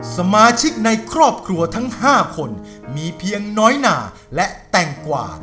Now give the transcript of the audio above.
สมาชิกในครอบครัวทั้ง๕คนมีเพียงน้อยหนาและแตงกว่า